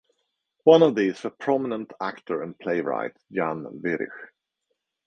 One of these was prominent actor and playwright Jan Werich.